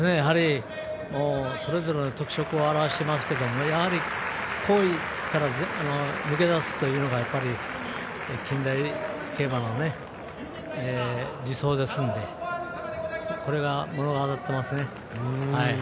それぞれの特色を現していますけどやはり好位から抜け出すというのが近代競馬の理想ですのでこれが物語ってますね。